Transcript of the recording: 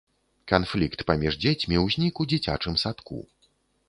Канфлікт паміж дзецьмі ўзнік у дзіцячым садку.